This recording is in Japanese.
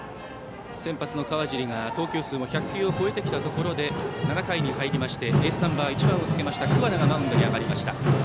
先発の川尻が投球数１００球を超えたところで７回に入りましてエースナンバー１番をつけました桑名がマウンドに上がりました。